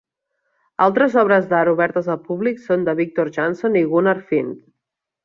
Altres obres d'art obertes al públic són de Viktor Jansson i Gunnar Finne.